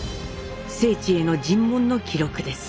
正知への尋問の記録です。